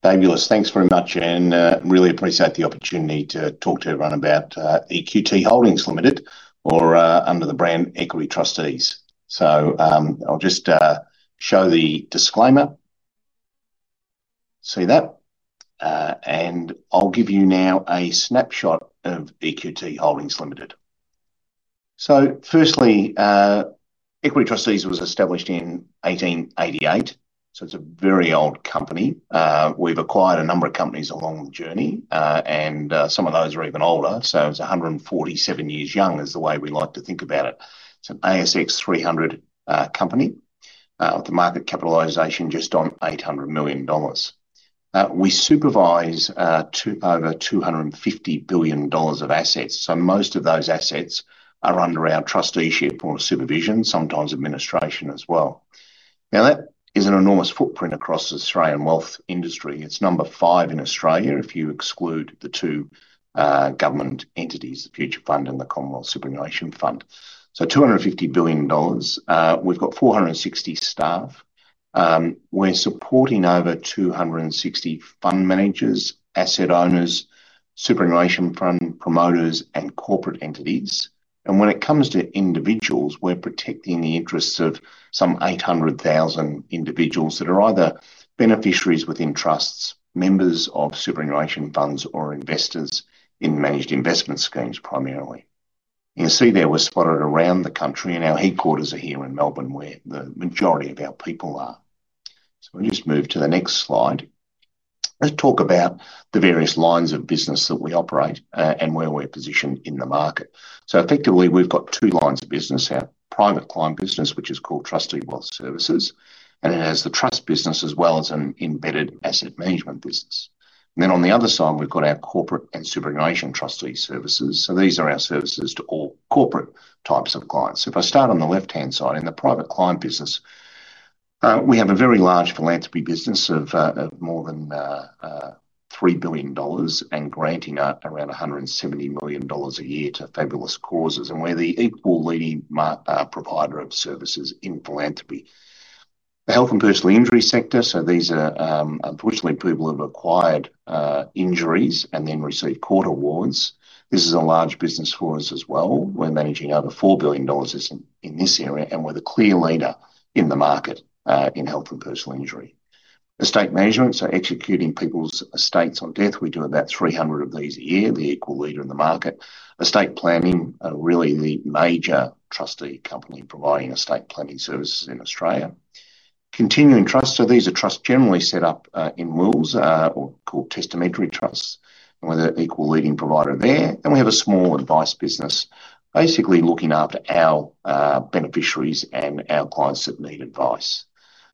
Fabulous, thanks very much. I really appreciate the opportunity to talk to everyone about EQT Holdings Ltd, or under the brand Equity Trustees. I'll just show the disclaimer. See that? I'll give you now a snapshot of EQT Holdings Ltd. Firstly, Equity Trustees was established in 1888. It's a very old company. We've acquired a number of companies along the journey, and some of those are even older. It's 147 years young, is the way we like to think about it. It's an ASX 300 company, with a market capitalization just on $800 million. We supervise over $250 billion of assets. Most of those assets are under our trusteeship or supervision, sometimes administration as well. That is an enormous footprint across the Australian wealth industry. It's number five in Australia if you exclude the two government entities, the Future Fund and the Commonwealth Superannuation Fund. $250 billion. We've got 460 staff. We're supporting over 260 fund managers, asset owners, superannuation fund promoters, and corporate entities. When it comes to individuals, we're protecting the interests of some 800,000 individuals that are either beneficiaries within trusts, members of superannuation funds, or investors in managed investment schemes primarily. You can see that we're spotted around the country, and our headquarters are here in Melbourne, where the majority of our people are. We'll just move to the next slide. Let's talk about the various lines of business that we operate and where we're positioned in the market. Effectively, we've got two lines of business: our private client business, which is called Trustee Wealth Services, and it has the trust business as well as an embedded asset management business. On the other side, we've got our Corporate and Superannuation Trustee Services. These are our services to all corporate types of clients. If I start on the left-hand side in the private client business, we have a very large philanthropy business of more than $3 billion and granting around $170 million a year to fabulous causes. We're the equal leading provider of services in philanthropy. The health and personal injury sector, these are unfortunately people who have acquired injuries and then received court awards. This is a large business for us as well. We're managing over $4 billion in this area, and we're the clear leader in the market in health and personal injury. Estate management, so executing people's estates on death, we do about 300 of these a year, the equal leader in the market. Estate planning, really the major trustee company providing estate planning services in Australia. Continuing trusts, so these are trusts generally set up in wills called testamentary trusts, and we're the equal leading provider there. We have a small advice business, basically looking after our beneficiaries and our clients that need advice.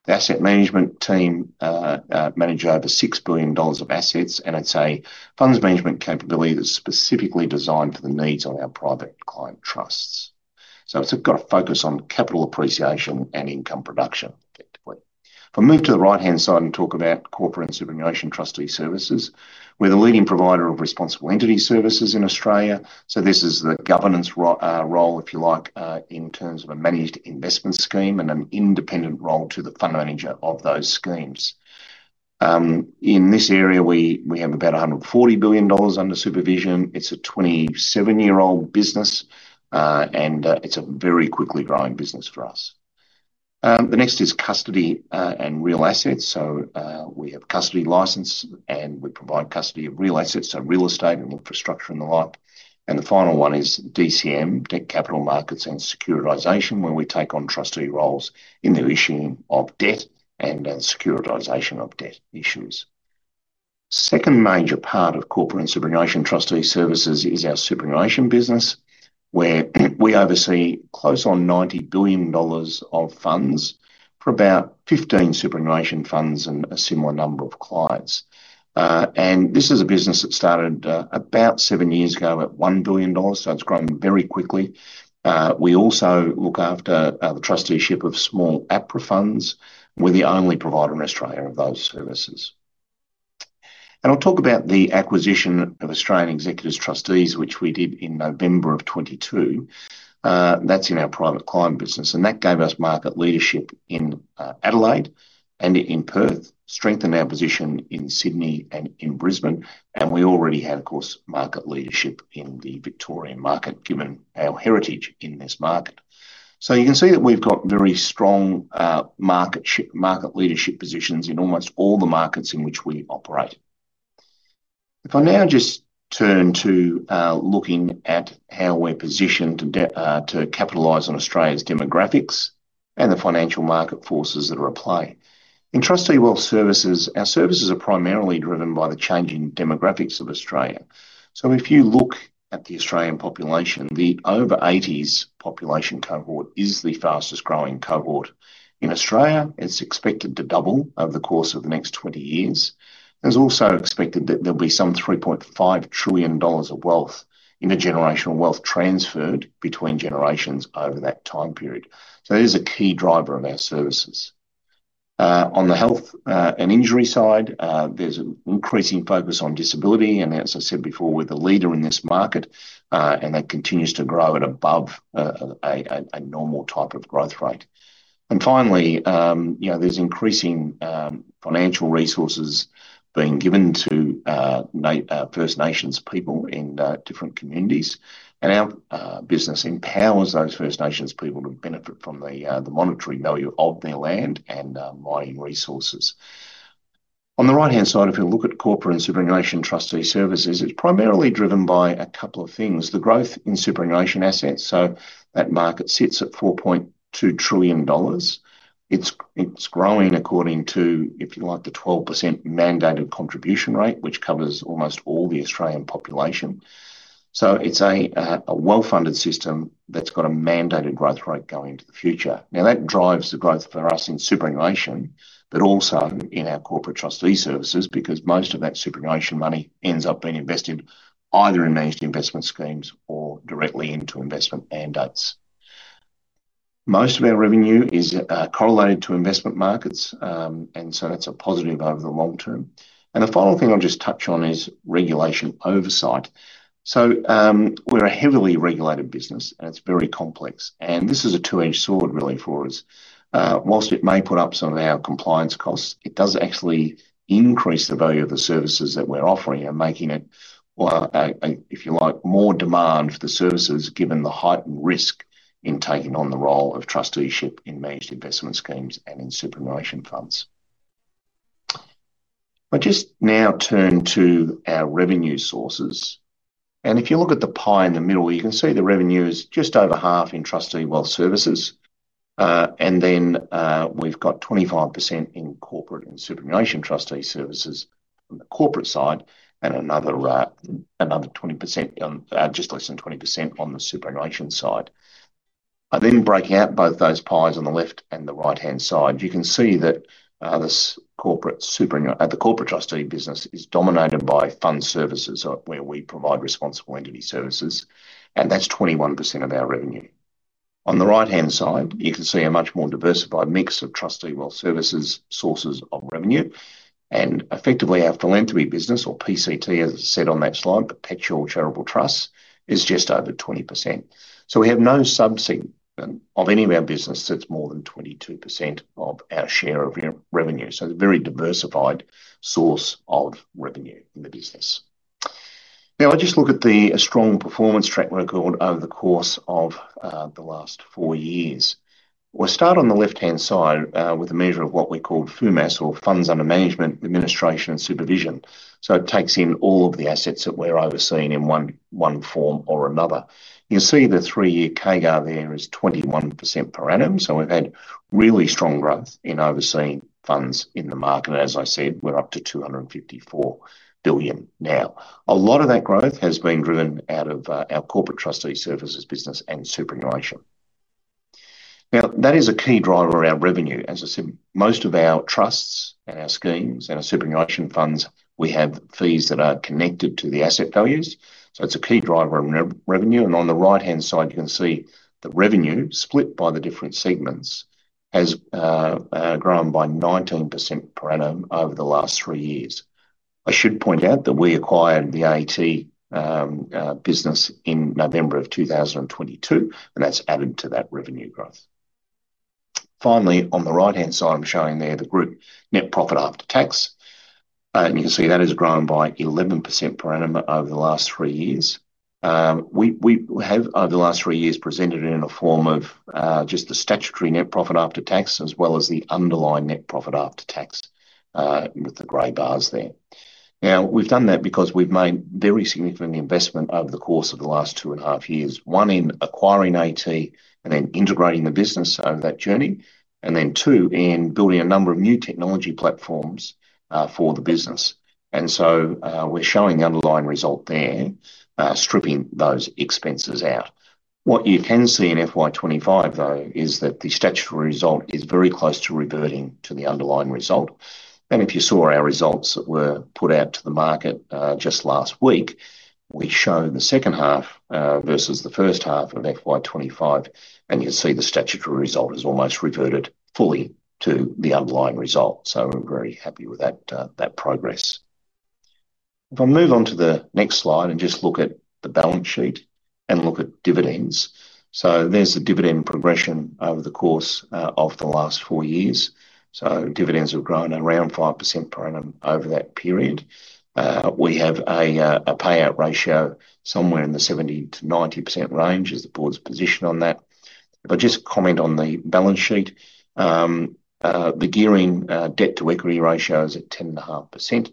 The asset management team manages over $6 billion of assets, and it's a funds management capability that's specifically designed for the needs of our private client trusts. It's got a focus on capital appreciation and income production. If I move to the right-hand side and talk about Corporate and Superannuation Trustee Services, we're the leading provider of responsible entity services in Australia. This is the governance role, if you like, in terms of a managed investment scheme and an independent role to the fund manager of those schemes. In this area, we have about $140 billion under supervision. It's a 27-year-old business, and it's a very quickly growing business for us. The next is custody and real assets. We have a custody license, and we provide custody of real assets, so real estate and infrastructure and the like. The final one is DCM, debt capital markets and securitization, where we take on trustee roles in the issuing of debt and securitization of debt issues. The second major part of Corporate and Superannuation Trustee Services is our superannuation business, where we oversee close on $90 billion of funds for about 15 superannuation funds and a similar number of clients. This is a business that started about seven years ago at $1 billion, so it's grown very quickly. We also look after the trusteeship of small APRA funds. We're the only provider in Australia of those services. I'll talk about the acquisition of Australian Executor Trustees, which we did in November of 2022. That's in our private client business. That gave us market leadership in Adelaide and in Perth, strengthened our position in Sydney and in Brisbane. We already had, of course, market leadership in the Victorian market, given our heritage in this market. You can see that we've got very strong market leadership positions in almost all the markets in which we operate. If I now just turn to looking at how we're positioned to capitalize on Australia's demographics and the financial market forces that are at play. In Trustee Wealth Services, our services are primarily driven by the changing demographics of Australia. If you look at the Australian population, the over-80s population cohort is the fastest growing cohort in Australia. It's expected to double over the course of the next 20 years. It's also expected that there'll be some $3.5 trillion of wealth in the generational wealth transferred between generations over that time period. It is a key driver of our services. On the health and injury side, there's an increasing focus on disability. As I said before, we're the leader in this market, and that continues to grow at above a normal type of growth rate. Finally, you know there's increasing financial resources being given to First Nations people in different communities. Our business empowers those First Nations people to benefit from the monetary value of their land and mining resources. On the right-hand side, if you look at Corporate and Superannuation Trustee Services, it's primarily driven by a couple of things. The growth in superannuation assets, so that market sits at $4.2 trillion. It's growing according to, if you like, the 12% mandated contribution rate, which covers almost all the Australian population. It's a well-funded system that's got a mandated growth rate going into the future. That drives the growth for us in superannuation, but also in our corporate trustee services because most of that superannuation money ends up being invested either in managed investment schemes or directly into investment mandates. Most of our revenue is correlated to investment markets, and that's a positive over the long term. The final thing I'll just touch on is regulation oversight. We're a heavily regulated business, and it's very complex. This is a two-edged sword, really, for us. Whilst it may put up some of our compliance costs, it does actually increase the value of the services that we're offering and making it, if you like, more demand for the services given the heightened risk in taking on the role of trusteeship in managed investment schemes and in superannuation funds. I'll just now turn to our revenue sources. If you look at the pie in the middle, you can see the revenue is just over half in Trustee Wealth Services. We have 25% in Corporate and Superannuation Trustee Services on the corporate side and another 20%, just less than 20%, on the superannuation side. I then break out both those pies on the left and the right-hand side. You can see that the corporate trustee business is dominated by fund services, where we provide responsible entity services, and that's 21% of our revenue. On the right-hand side, you can see a much more diversified mix of Trustee Wealth Services sources of revenue. Effectively, our philanthropy business, or PCT, as I said on that slide, perpetual charitable trusts, is just over 20%. We have no subsegment of any of our business that's more than 22% of our share of revenue. It's a very diversified source of revenue in the business. Now I'll just look at the strong performance track record over the course of the last four years. We'll start on the left-hand side with a measure of what we call FUMAS, or Funds Under Management, Administration, and Supervision. It takes in all of the assets that we're overseeing in one form or another. You can see the three-year CAGR there is 21% per annum. We've had really strong growth in overseeing funds in the market, and as I said, we're up to $254 billion now. A lot of that growth has been driven out of our corporate trustee services business and superannuation. That is a key driver of our revenue. As I said, most of our trusts and our schemes and our superannuation funds, we have fees that are connected to the asset values, so it's a key driver of revenue. On the right-hand side, you can see the revenue split by the different segments has grown by 19% per annum over the last three years. I should point out that we acquired the AET business in November 2022, and that's added to that revenue growth. Finally, on the right-hand side, I'm showing there the group net profit after tax, and you can see that has grown by 11% per annum over the last three years. We have, over the last three years, presented it in a form of just the statutory net profit after tax, as well as the underlying net profit after tax with the grey bars there. We've done that because we've made very significant investment over the course of the last two and a half years, one, in acquiring AET and then integrating the business over that journey, and then, two, in building a number of new technology platforms for the business. We're showing the underlying result there, stripping those expenses out. What you can see in FY25 is that the statutory result is very close to reverting to the underlying result. If you saw our results that were put out to the market just last week, we show the second half versus the first half of FY25, and you can see the statutory result has almost reverted fully to the underlying result. We're very happy with that progress. If I move on to the next slide and just look at the balance sheet and look at dividends, there's a dividend progression over the course of the last four years. Dividends have grown around 5% per annum over that period. We have a payout ratio somewhere in the 70% to 90% range as the board's position on that. If I just comment on the balance sheet, the gearing (debt-to-equity) ratio is at 10.5%.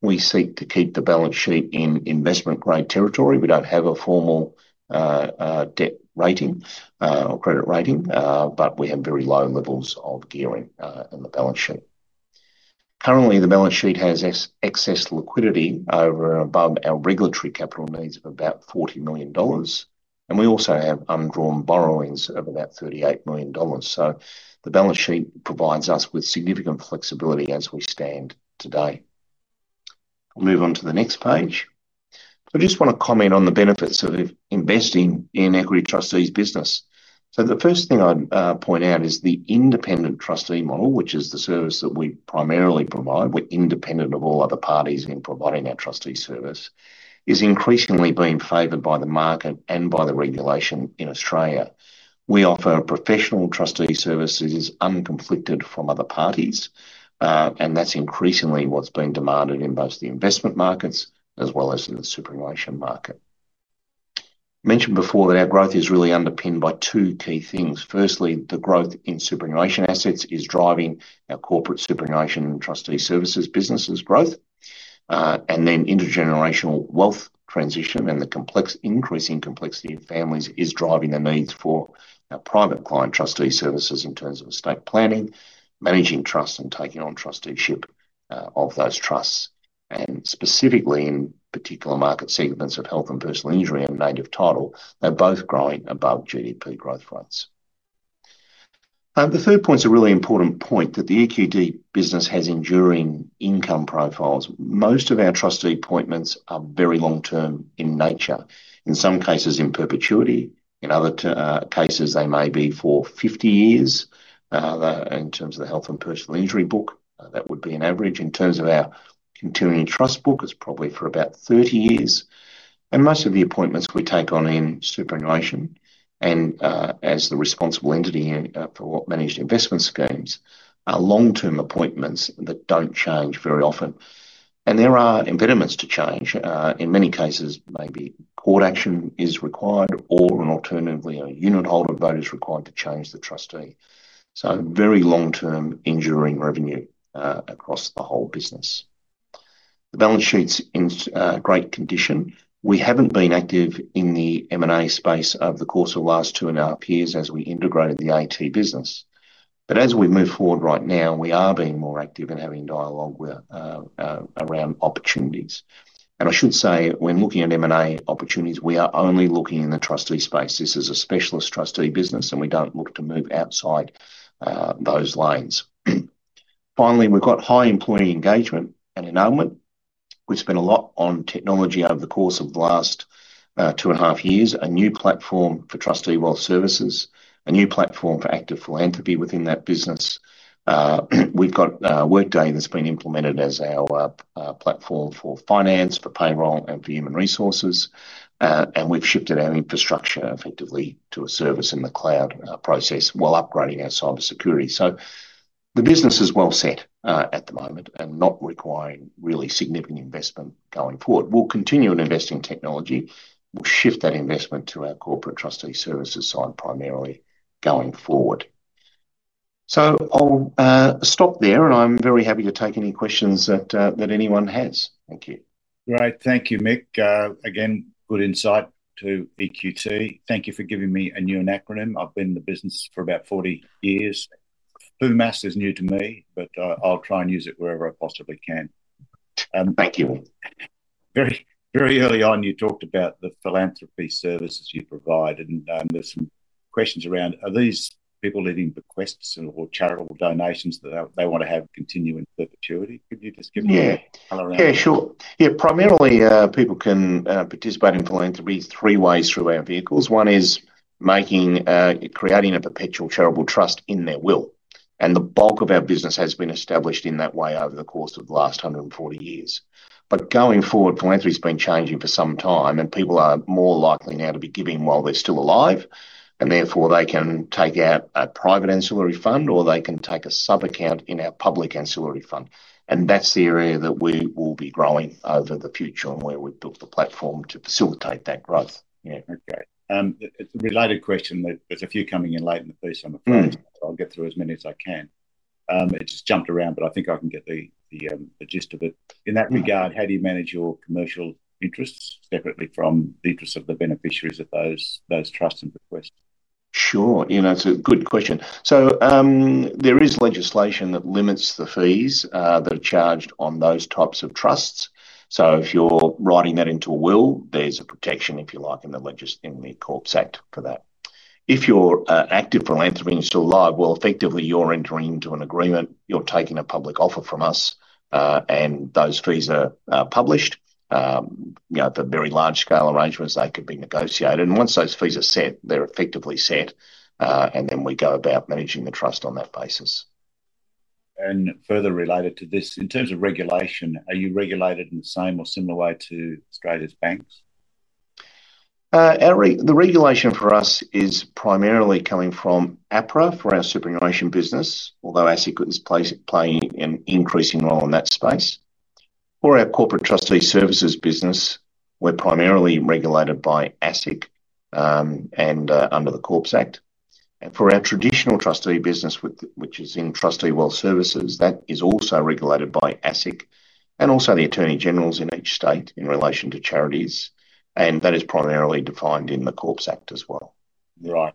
We seek to keep the balance sheet in investment-grade territory. We don't have a formal debt rating or credit rating, but we have very low levels of gearing in the balance sheet. Currently, the balance sheet has excess liquidity above our regulatory capital needs of about $40 million. We also have undrawn borrowings of about $38 million. The balance sheet provides us with significant flexibility as we stand today. I'll move on to the next page. I just want to comment on the benefits of investing in Equity Trustees' business. The first thing I'd point out is the independent trustee model, which is the service that we primarily provide. We're independent of all other parties in providing our trustee service, which is increasingly being favored by the market and by the regulation in Australia. We offer professional trustee services unconflicted from other parties, and that's increasingly what's being demanded in both the investment markets as well as in the superannuation market. I mentioned before that our growth is really underpinned by two key things. Firstly, the growth in superannuation assets is driving our corporate and superannuation trustee services business's growth. Intergenerational wealth transition and the increasing complexity of families is driving the needs for our private client trustee services in terms of estate planning, managing trusts, and taking on trusteeship of those trusts. Specifically, in particular market segments of health and personal injury and native title, they're both growing above GDP growth rates. The third point's a really important point that the EQT business has enduring income profiles. Most of our trustee appointments are very long-term in nature. In some cases, in perpetuity. In other cases, they may be for 50 years. In terms of the health and personal injury book, that would be an average. In terms of our continuing trust book, it's probably for about 30 years. Most of the appointments we take on in superannuation and as the responsible entity for managed investment schemes are long-term appointments that don't change very often. There are impediments to change. In many cases, maybe court action is required or alternatively, a unit holder vote is required to change the trustee. Very long-term enduring revenue across the whole business. The balance sheet's in great condition. We haven't been active in the M&A space over the course of the last two and a half years as we integrated the AET business. As we move forward right now, we are being more active and having dialogue around opportunities. I should say, when looking at M&A opportunities, we are only looking in the trustee space. This is a specialist trustee business, and we don't look to move outside those lines. Finally, we've got high employee engagement and enablement. We've spent a lot on technology over the course of the last two and a half years, a new platform for Trustee Wealth Services, a new platform for active philanthropy within that business. We've got Workday that's been implemented as our platform for finance, for payroll, and for human resources. We've shifted our infrastructure effectively to a service in the cloud process while upgrading our cybersecurity. The business is well set at the moment and not requiring really significant investment going forward. We'll continue to invest in technology. We'll shift that investment to our Corporate and Superannuation Trustee Services side primarily going forward. I'll stop there, and I'm very happy to take any questions that anyone has. Thank you. Right. Thank you, Mick. Again, good insight to EQT. Thank you for giving me a new acronym. I've been in the business for about 40 years. FUMAS is new to me, but I'll try and use it wherever I possibly can. Thank you. Very, very early on, you talked about the philanthropy services you provide, and there's some questions around, are these people leaving bequests or charitable donations that they want to have continuing perpetuity? Could you just give me a color around? Yeah, sure. Primarily, people can participate in philanthropy three ways through our vehicles. One is creating a perpetual charitable trust in their will. The bulk of our business has been established in that way over the course of the last 140 years. Going forward, philanthropy has been changing for some time, and people are more likely now to be giving while they're still alive. Therefore, they can take out a private ancillary fund, or they can take a sub-account in our public ancillary fund. That's the area that we will be growing over the future and where we've built the platform to facilitate that growth. Yeah, okay. It's a related question, but there's a few coming in late in the piece on the phone. I'll get through as many as I can. It just jumped around, but I think I can get the gist of it. In that regard, how do you manage your commercial interests separately from the interests of the beneficiaries of those trusts and bequests? Sure. It's a good question. There is legislation that limits the fees that are charged on those types of trusts. If you're writing that into a will, there's a protection, if you like, in the Corporations Act for that. If you're active in philanthropy and you're still alive, effectively, you're entering into an agreement. You're taking a public offer from us, and those fees are published. For very large-scale arrangements, they could be negotiated. Once those fees are set, they're effectively set, and then we go about managing the trust on that basis. Further related to this, in terms of regulation, are you regulated in the same or similar way to Australia's banks? The regulation for us is primarily coming from APRA for our superannuation business, although ASIC is playing an increasing role in that space. For our Corporate Trustee Services business, we're primarily regulated by ASIC and under the Corporations Act. For our traditional trustee business, which is in Trustee Wealth Services, that is also regulated by ASIC and also the Attorney Generals in each state in relation to charities. That is primarily defined in the Corporations Act as well. Right.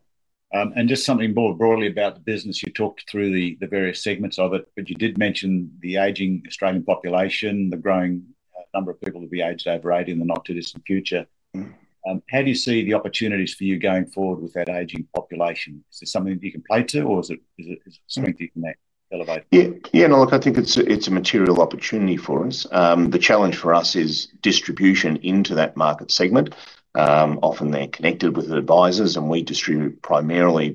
Just something more broadly about the business, you talked through the various segments of it, but you did mention the aging Australian population, the growing number of people to be aged over 80 in the not-too-distant future. How do you see the opportunities for you going forward with that aging population? Is it something that you can play to, or is it strength you can elevate? Yeah, I think it's a material opportunity for us. The challenge for us is distribution into that market segment. Often, they're connected with advisors, and we distribute primarily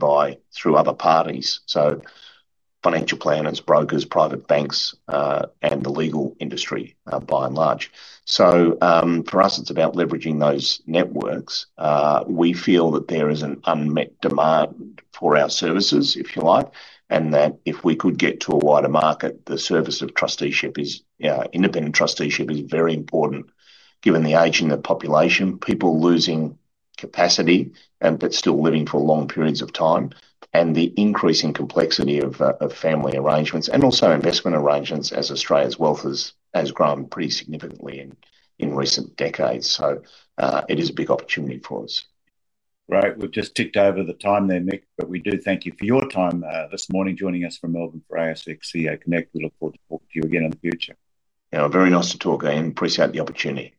through other parties, so financial planners, brokers, private banks, and the legal industry by and large. For us, it's about leveraging those networks. We feel that there is an unmet demand for our services, if you like, and that if we could get to a wider market, the service of trusteeship, independent trusteeship, is very important given the aging of the population, people losing capacity but still living for long periods of time, and the increasing complexity of family arrangements and also investment arrangements as Australia's wealth has grown pretty significantly in recent decades. It is a big opportunity for us. Right. We've just ticked over the time there, Mick, but we do thank you for your time this morning joining us from Melbourne for ASIC CA Connect. We look forward to talking to you again in the future. Yeah, very nice to talk again. Appreciate the opportunity. Thank you.